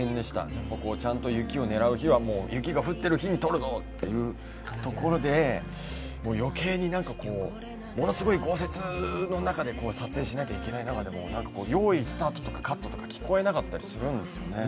ちゃんと雪を狙う日は雪が降ってる日に撮るぞ！というとこで、余計に、ものすごい豪雪の中で撮影しなきゃいけない中でもなんか用意スタートとか、カットとか聞こえなかった気がします。